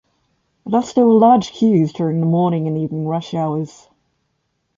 Thus there are large queues during the morning and evening rush hours.